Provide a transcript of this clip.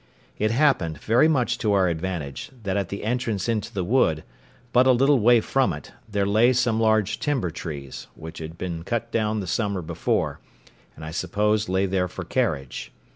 It happened, very much to our advantage, that at the entrance into the wood, but a little way from it, there lay some large timber trees, which had been cut down the summer before, and I suppose lay there for carriage.